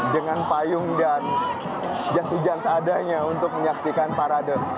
dengan payung dan jasujan seadanya untuk menyaksikan parade